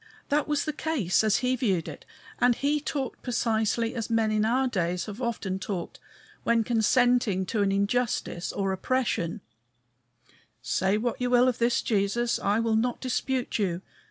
That was the case as he viewed it, and he talked precisely as men in our days have often talked when consenting to an injustice or oppression: Say what you will of this Jesus; I will not dispute you.